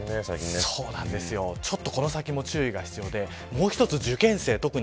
ちょっとこの先も注意が必要で受験生、特に。